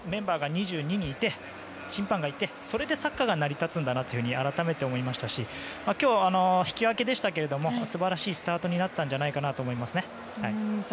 ２２人いて審判がいてそれでサッカーが成り立つんだと改めて思いましたし今日、引き分けでしたけれども素晴らしいスタートになったと思いますね。